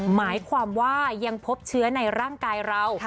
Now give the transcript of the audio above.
หมายความว่ายังพบเชื้อในร่างกายเรา